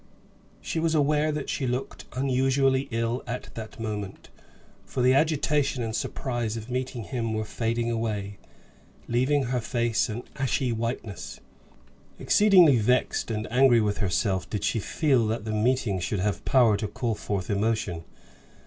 She was aware that she looked unusually ill at that moment, for the agitation and surprise of meeting him were fading away, leaving her face an ashy whiteness. Exceedingly vexed and angry with herself did she feel that the meeting should have power to call forth emotion.